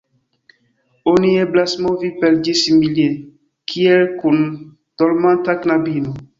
Oni eblas movi per ĝi simile kiel kun dormanta knabino.